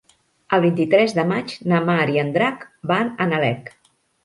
El vint-i-tres de maig na Mar i en Drac van a Nalec.